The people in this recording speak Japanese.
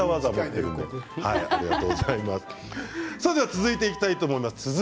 続いて、いきたいと思います。